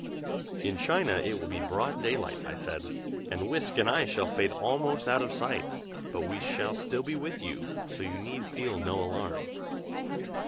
"In China it will be broad daylight," I said, "and Whisk and I shall fade almost out of sight; but we shall still be with you, so you need feel no alarm."